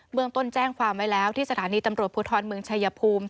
เมืองต้นแจ้งความไว้แล้วที่สถานีตำรวจภูทรเมืองชายภูมิ